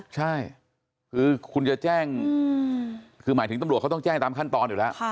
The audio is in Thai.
ใช่คือคุณจะแจ้งคือหมายถึงตำรวจเขาต้องแจ้งตามขั้นตอนอยู่แล้ว